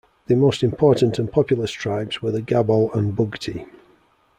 The most important and populous tribes were the Gabol and Bugti.